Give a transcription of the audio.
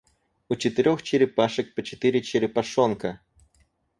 У четырех черепашек по четыре черепашонка.